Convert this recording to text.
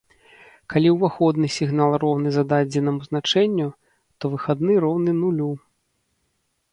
Калі уваходны сігнал роўны зададзенаму значэнню, то выхадны роўны нулю.